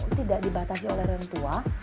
dia juga tidak terobsesi oleh orang tua